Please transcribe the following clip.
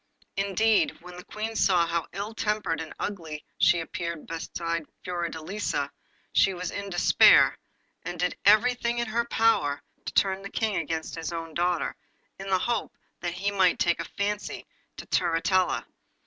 Indeed, when the Queen saw how ill tempered and ugly she appeared beside Fiordelisa she was in despair, and did everything in her power to turn the King against his own daughter, in the hope that he might take a fancy to Turritella.